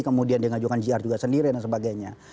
kemudian dia mengajukan jr juga sendiri dan sebagainya